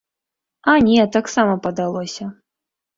А не, таксама падалося.